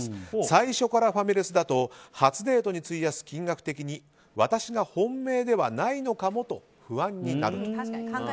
最初からファミレスだと初デートに費やす金額的に私が本命ではないのかもと不安になると。